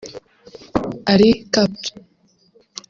ari Capt